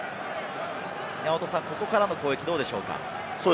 ここからの攻撃はどうでしょうか？